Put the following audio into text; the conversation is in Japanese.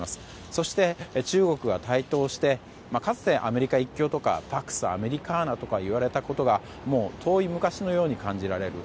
そして、中国が台頭してかつてアメリカ一強とかパックスアメリカーナと言われたことがもう遠い昔のように感じられる。